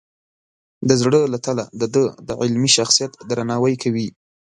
د زړه له تله د ده د علمي شخصیت درناوی کوي.